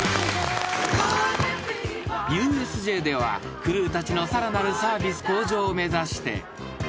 ［ＵＳＪではクルーたちのさらなるサービス向上を目指して］